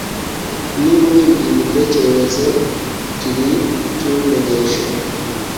Niba uhinduye imitekerereze tubitumenyeshe